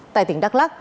tại tỉnh đắk lắc